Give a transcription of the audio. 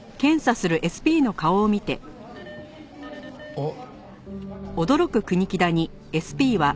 あっ。